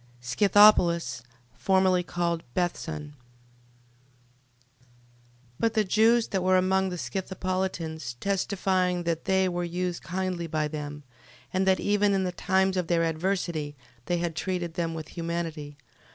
Scythopolis... Formerly called Bethsan. 12:30. But the Jews that were among the Scythopolitans testifying that they were used kindly by them, and that even in the times of their adversity they had treated them with humanity: 12:31.